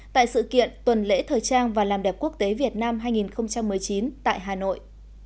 tại sự kiện tuần lễ thời trang và làm đẹp quốc tế việt nam hai nghìn một mươi chín tại hà nội